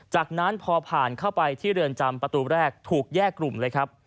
จากนั้นพอผ่านเข้าไปที่เรือนจำประตูแรกถูกแยกกลุ่มเลยครับ